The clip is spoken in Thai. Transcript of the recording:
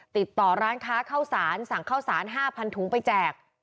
ติดต่อร้านค้าเข้าสารสั่งข้าวสาร๕๐๐ถุงไปแจก